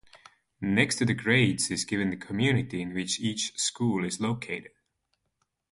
Next to the grades is given the community in which each school is located.